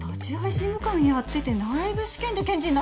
事務官やってて内部試験で検事になった！